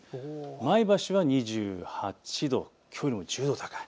前橋は２８度、きょうよりも１０度高い。